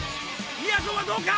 みやぞんどうだ？